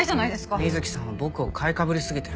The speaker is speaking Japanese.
水木さんは僕を買いかぶりすぎてる。